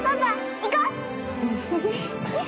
行こう。